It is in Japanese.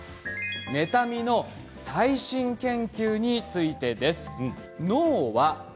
妬みの最新研究についてです。